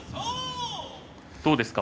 どうですか？